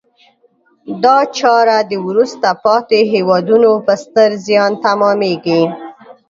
دا چاره د وروسته پاتې هېوادونو په ستر زیان تمامیږي.